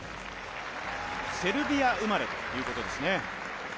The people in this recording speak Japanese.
セルビア生まれということですね。